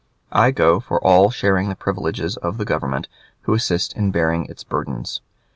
I go for all sharing the privileges of the Government who assist in bearing its burdens.